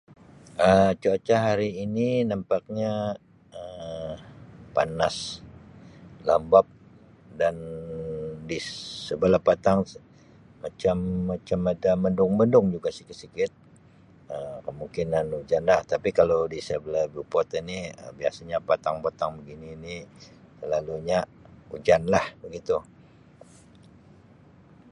Um Cuaca hari ini nampaknya Um panas, lambab dan di sabalah patang macam- macam ada mendung-mendung juga sikit-sikit Um kemungkinan hujan lah. Tapi kalau di sebelah Beaufort ini Um biasanya patang-patang begini ni selalunya hujan lah. Begitu.